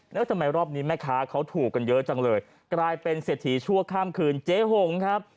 แล้วทำไมรอบนี้แม่ค้าเขาถูกกันเยอะจังเลยกลายเป็นเศรษฐีชั่วข้ามคืนเจ๊หงครับ